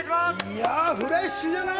フレッシュじゃない。